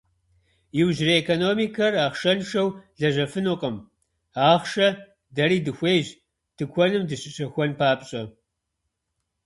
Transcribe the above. Иужьрей экономикэр ахъшэншэу лэжьэфынукъым, ахъшэ дэри дыхуейщ, тыкуэным дыщыщэхуэн папщӏэ.